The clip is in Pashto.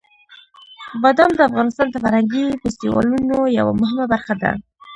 بادام د افغانستان د فرهنګي فستیوالونو یوه مهمه برخه ده.